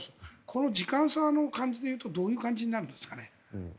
この時間差を考えるとどういう感じになるんですかね。